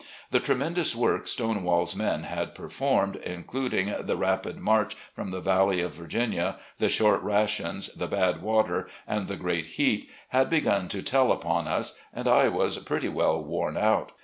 The tremendous work Stonewall's men had performed, including the rapid march from the Valley of Virginia, the short rations, the bad water, and the great heat, had begun to tell upon us, and I was pretty well worn out.